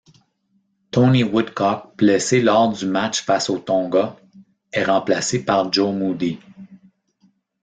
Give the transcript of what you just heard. Tony Woodcock, blessé lors du match face aux Tonga, est remplacé par Joe Moody.